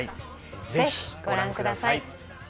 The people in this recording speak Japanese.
ぜひご覧ください。